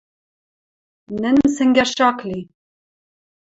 Нӹнӹм сӹнгӓш ак ли.